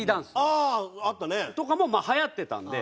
ああーあったね。とかもまあはやってたんで。